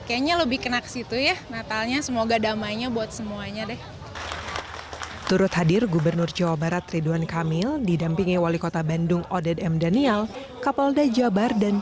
kayaknya lebih kena ke situ ya natalnya semoga damainya buat semuanya deh